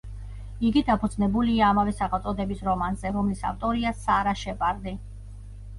იგი დაფუძნებულია ამავე სახელწოდების რომანზე, რომლის ავტორია სარა შეპარდი.